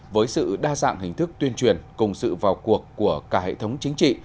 với sự đa dạng hình thức tuyên truyền cùng sự vào cuộc của cả hệ thống chính trị